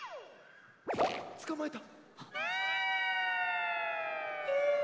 つかまえた。